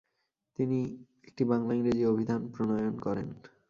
তিনি একটি বাংলা-ইংরেজি অভিধান প্রণয়ন করেন।